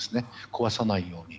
壊さないように。